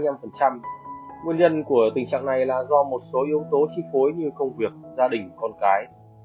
nguyên nhân của tình trạng này là do một số yếu tố chi phối như công việc gia đình con cái